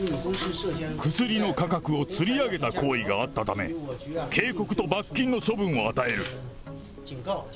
薬の価格をつり上げた行為があったため、警告と罰金の処分を与える。